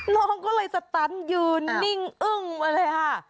น้องก็เลยสตั๊นอยู่นิ่งอึ้งเลย